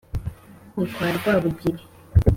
ni kwa rwabugiri